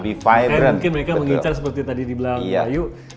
mungkin mereka mengincar seperti tadi di blanc bayu